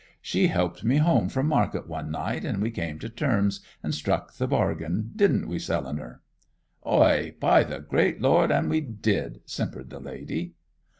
She helped me home from market one night, and we came to terms, and struck the bargain. Didn't we, Selinar?' 'Oi, by the great Lord an' we did!' simpered the lady.